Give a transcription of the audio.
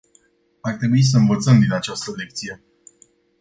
Ar trebui să învățăm din această lecție.